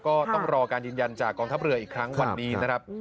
ก็ต้องรอการยืนยันจากกองทัพเรืออีกครั้งวันนี้นะครับ